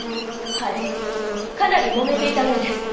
はいかなり揉めていたようです。